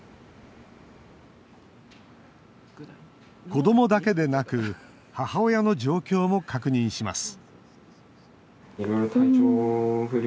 子どもだけでなく母親の状況も確認します